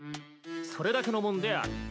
それだけのもんである。